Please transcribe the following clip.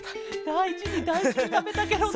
だいじにだいじにたべたケロね。